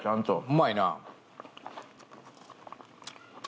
うまいな。